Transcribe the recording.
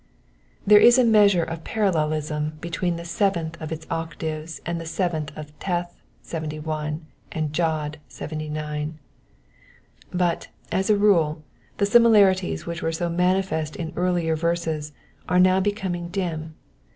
There is a measure of parallelism between this seventh of its octave and the seventh of Teth (71) and of Jod (79) ; but, as a rule, the similarities which were so manifest in earlier verses are now becoming dim.